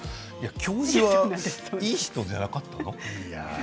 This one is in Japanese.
教授は、いい人じゃなかったの？